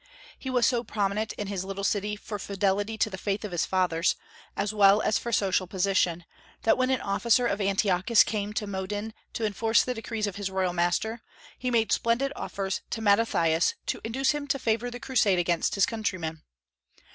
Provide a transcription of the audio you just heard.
He was so prominent in his little city for fidelity to the faith of his fathers, as well as for social position, that when an officer of Antiochus came to Modin to enforce the decrees of his royal master, he made splendid offers to Mattathias to induce him to favor the crusade against his countrymen.